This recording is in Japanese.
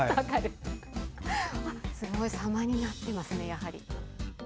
すごい様になってますね。